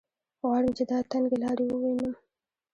غواړم چې دا تنګې لارې ووینم.